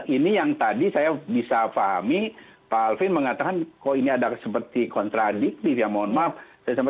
ini yang tadi saya bisa pahami pak alvin mengatakan kok ini ada seperti kontradiktif ya mohon maaf